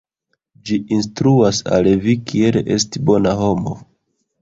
Ĝi instruas al vi kiel esti bona homo.